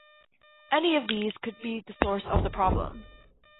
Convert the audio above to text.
Any of these could be the source of the problem.